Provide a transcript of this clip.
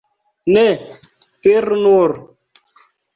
Ne, iru nur!